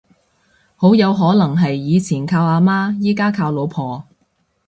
好有可能係以前靠阿媽而家靠老婆